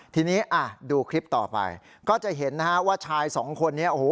ทีนี้ดูคลิปต่อไปก็จะเห็นนะฮะว่าชายสองคนนี้โอ้โห